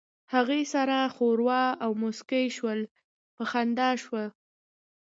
هغې سر وښوراوه او موسکۍ شول، په خندا شوه.